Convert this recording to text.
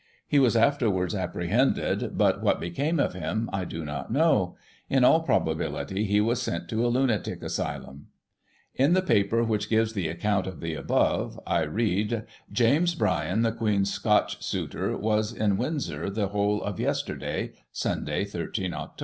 He was afterwards apprehended, but what became of him, I do not know ; in all probability he was sent to a lunatic asylum. In the paper which gives the account of the above, I read, James Bryan, the Queen's Scotch suitor, was in Windsor the whole of yesterday (Sunday, 13 Oct.).